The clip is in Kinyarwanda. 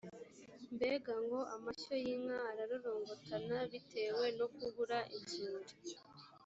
mbega ngo amashyo y’inka ararorongotana bitewe no kubura inzuri